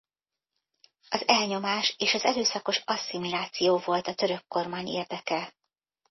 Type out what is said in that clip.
Az elnyomás és az erőszakos asszimiláció volt a török kormány érdeke.